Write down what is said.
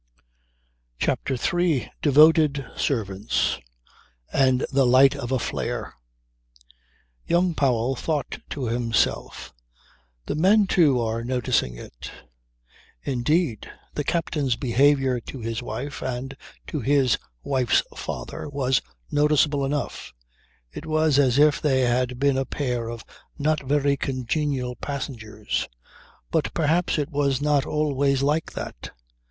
CHAPTER THREE DEVOTED SERVANTS AND THE LIGHT OF A FLARE Young Powell thought to himself: "The men, too, are noticing it." Indeed, the captain's behaviour to his wife and to his wife's father was noticeable enough. It was as if they had been a pair of not very congenial passengers. But perhaps it was not always like that.